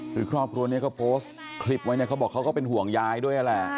คือครอบครัวนี้เขาโพสต์คลิปไว้เนี่ยเขาบอกเขาก็เป็นห่วงยายด้วยนั่นแหละ